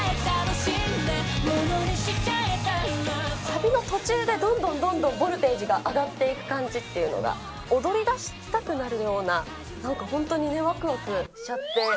サビの途中でどんどんどんどんボルテージが上がっていく感じっていうのが、踊りだしたくなるようななんか本当にわくわくしちゃって。